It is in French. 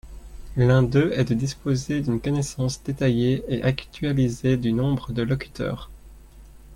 L’un d’eux est de disposer d’une connaissance détaillée et actualisée du nombre de locuteurs.